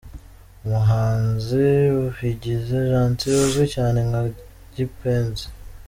Umuhanzi Bigizi Gentil uzwi cyane nka Kipenzi.